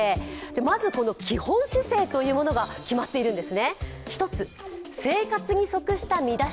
まず基本姿勢が決まっているんです。